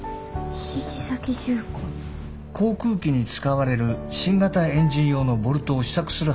航空機に使われる新型エンジン用のボルトを試作する話が来ています。